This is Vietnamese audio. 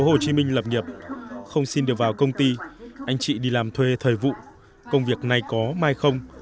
tp hcm lập nghiệp không xin được vào công ty anh chị đi làm thuê thời vụ công việc này có mai không